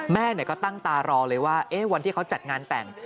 แม่ก็ตั้งตารอเลยว่าวันที่เขาจัดงานแต่ง